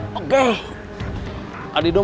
saya yang menang